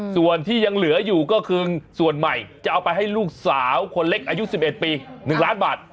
ส่วนที่ยังเหลืออยู่ก็คือส่วนใหม่จะเอาไปให้ลูกสาวคนเล็กอายุ๑๑ปี๑ล้านบาท